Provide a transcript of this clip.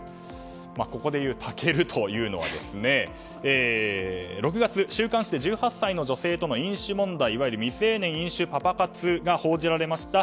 ここでいう、たけるというのは６月週刊誌で１８歳の女性との飲酒問題いわゆる未成年飲酒パパ活が報じられました